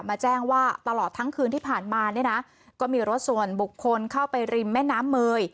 แจ้งว่าตลอดทั้งคืนที่ผ่านมาเนี่ยนะก็มีรถส่วนบุคคลเข้าไปริมแม่น้ำเมย